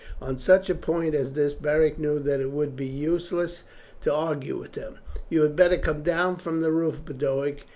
On such a point as this Beric knew that it would be useless to argue with them. "You had better come down from the roof, Boduoc.